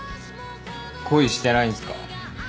恋してないんすか？